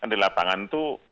di lapangan itu